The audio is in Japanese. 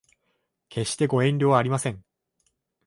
決してご遠慮はありません